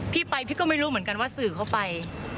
พี่ไปพี่ก็ไม่รู้เหมือนกันว่าสื่อเข้าไป